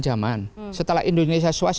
zaman setelah indonesia swas